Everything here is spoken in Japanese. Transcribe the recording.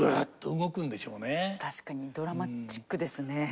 確かにドラマチックですね。